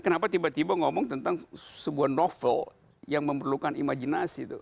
kenapa tiba tiba ngomong tentang sebuah novel yang memerlukan imajinasi